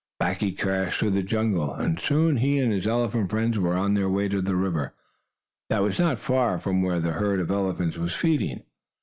Back he crashed through the jungle, and soon he and his elephant friends were on their way to the river, that was not far from where the herd of elephants was feeding.